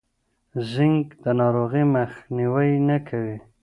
زینک د ناروغۍ مخنیوی نه کوي.